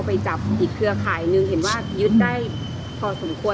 ไปจับอีกเครือข่ายหนึ่งเห็นว่ายึดได้พอสมควร